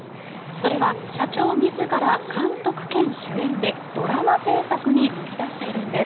それは社長自ら監督兼主演でドラマ制作に乗り出しているんです。